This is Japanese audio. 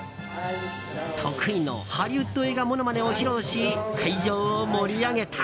得意のハリウッド映画ものまねを披露し会場を盛り上げた。